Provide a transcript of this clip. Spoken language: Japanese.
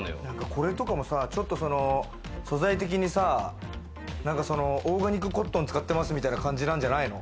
これとかも素材的にさ、オーガニックコットン使ってますみたいな感じなんじゃないの？